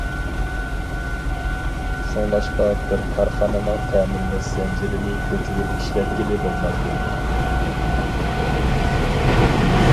شۇڭلاشقا بىر كارخانىنىڭ تەمىنلەش زەنجىرىنى كۆچۈرۈپ ئىشلەتكىلى بولمايدۇ.